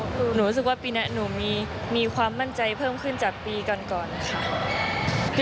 หนูรู้สึกว่าปีนี้หนูมีความมั่นใจเพิ่มขึ้นจากปีก่อนค่ะ